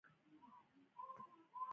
زموږ د تیورۍ له لارې به اټکل هم ګران وي.